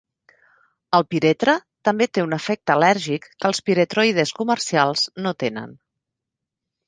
El piretre també té un efecte al·lèrgic que els piretroides comercials no tenen.